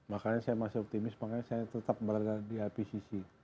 makanya saya masih optimis makanya saya tetap berada di ipcc